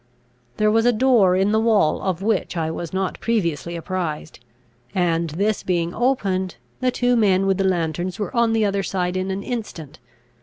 There was a door in the wall, of which I was not previously apprised; and, this being opened, the two men with the lantern were on the other side in an instant.